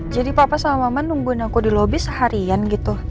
jadi papa sama mama nungguin aku di lobi seharian gitu